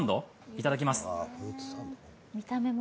いただきます。